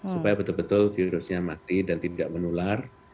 supaya betul betul virusnya mati dan tidak menular